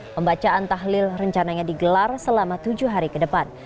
pembacaan tahlil rencananya digelar selama tujuh hari ke depan